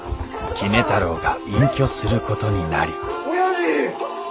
杵太郎が隠居することになり親父！